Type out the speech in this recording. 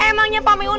emangnya pak meun